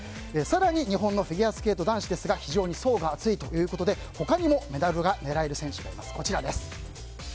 更に、日本のフィギュアスケート男子ですが非常に層が厚いということで他にもメダルが狙える選手がいます。